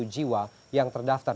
tujuh belas jiwa yang terdaftar